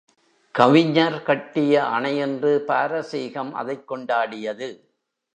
கவிஞர் கட்டிய அணை என்று பாரசீகம் அதைக் கொண்டாடியது.